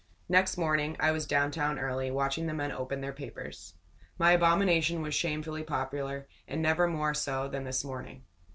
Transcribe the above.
Next morning I was down town early, watching the men open their papers. My abomination was shamefully popular, and never more so than this morning.